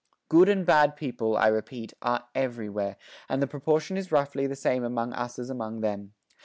Good and bad people, I repeat, are everywhere, and the proportion is roughly the same among us as among them.